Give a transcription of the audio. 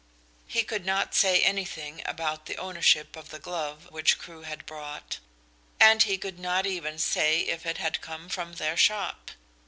He could not say anything about the ownership of the glove which Crewe had brought, and he could not even say if it had come from their shop.